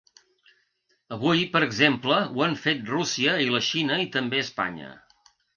Avui, per exemple ho han fet Rússia i la Xina i també Espanya.